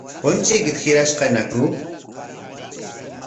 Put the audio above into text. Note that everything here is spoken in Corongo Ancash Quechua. ¿Punchuykita hirashqañaku?